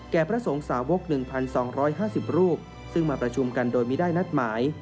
พระสงฆ์สาวก๑๒๕๐รูปซึ่งมาประชุมกันโดยไม่ได้นัดหมาย